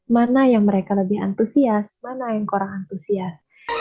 mana yang mereka lebih antusias mana yang kurang antusias